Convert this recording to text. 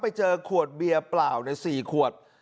ไปเจอขวดเบียร์เปล่าใน๔ขวด